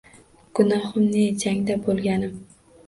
Gunohim ne?—Jangda bo’lganim